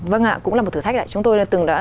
vâng ạ cũng là một thử thách đấy chúng tôi đã từng đã